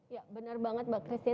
ya benar banget mbak christian